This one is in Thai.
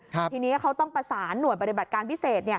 ทีนี้เขาต้องประสานหน่วยปฏิบัติการพิเศษ